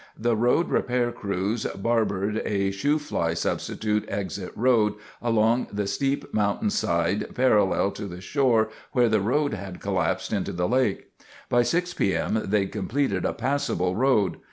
the road repair crews "barbered" a shoo fly substitute exit road along the steep mountainside parallel to the shore where the road had collapsed into the lake. By 6:00 P. M. they'd completed a passable road.